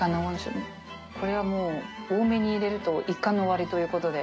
これはもう多めに入れると一巻の終わりということで。